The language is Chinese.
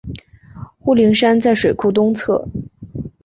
雾灵山在水库东侧。